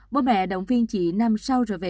bố mẹ động viên chị năm sau rồi về